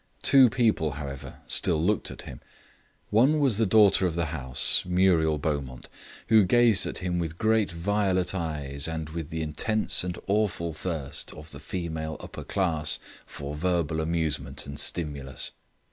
Two people, however, still looked at him. One was the daughter of the house, Muriel Beaumont, who gazed at him with great violet eyes and with the intense and awful thirst of the female upper class for verbal amusement and stimulus.